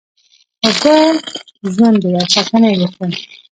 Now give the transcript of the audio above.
اوبه ژوند دی او ساتنه یې وکړی